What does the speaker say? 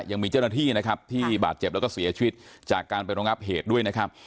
ยังมีเจ้าหน้าที่นะครับที่บาดเจ็บแล้วก็เสียชีวิตจากการไปรองับเหตุด้วยนะครับ